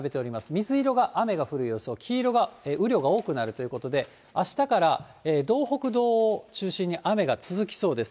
水色が雨が降る予想、黄色が雨量が多くなるということで、あしたから道北、道央を中心に雨が続きそうです。